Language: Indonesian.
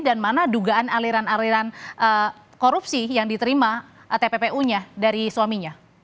dan mana dugaan aliran aliran korupsi yang diterima tppu nya dari suaminya